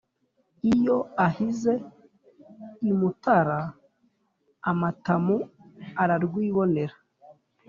iyo ahize i Mutara amatamu ararwibonera,